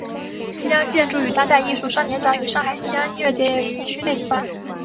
西岸建筑与当代艺术双年展与上海西岸音乐节也于区内举办。